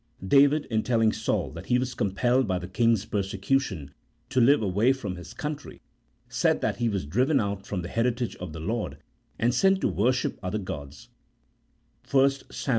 David, in telling Saul that he was compelled by the king's persecution to live away from his country, said that he was driven out from the heritage of the Lord, and sent to worship other gods (1 Sam.